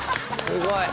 すごい！